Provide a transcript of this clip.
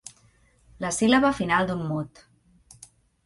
La síl·laba final d'un mot.